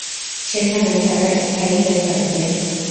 সেখানে তারা স্থায়ী হয়ে থাকবে।